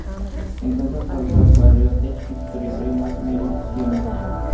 Se encuentra atravesada por el río Tech en su territorio más meridional.